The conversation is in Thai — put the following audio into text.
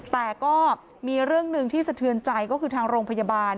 แต่ก็มีเรื่องหนึ่งที่สะเทือนใจก็คือทางโรงพยาบาล